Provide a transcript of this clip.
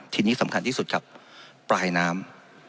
ทีนี้สำคัญที่สุดครับปลายน้ำ